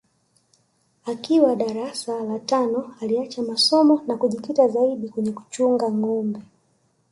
Akiwa darasa la tano aliacha masomo na kujikita zaidi kwenye kuchunga nâgombe